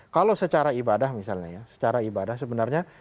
kalau secara ibadah misalnya ya secara ibadah sebenarnya